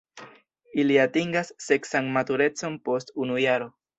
Ili atingas seksan maturecon post unu jaro.